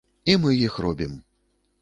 І мы іх робім.